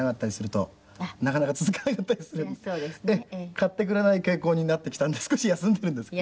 買ってくれない傾向になってきたんで少し休んでるんですけどね。